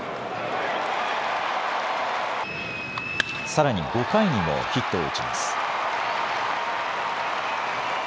さらに５回にもヒットを打ちます。